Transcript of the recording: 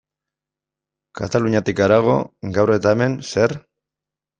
Kataluniatik harago, gaur eta hemen, zer?